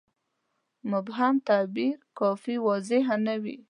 مبهم تعبیر کافي واضحه نه وي.